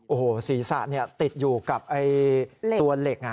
โอ้โหศีรษะติดอยู่กับตัวเหล็ก